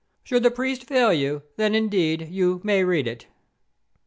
Should the priest fail you, then, indeed, you may read it.